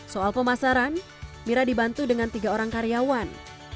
soal pemasaran mira dibantu dengan tiga orang karyawan